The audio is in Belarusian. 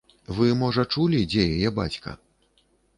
Вы, можа, чулі, дзе яе бацька?